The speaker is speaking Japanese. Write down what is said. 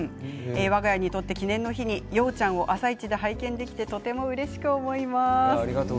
わが家にとって記念の日にようちゃんを「あさイチ」で拝見できてとてもうれしく思います。